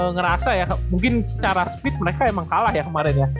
ngerasa ya mungkin secara speed mereka emang kalah ya kemarin ya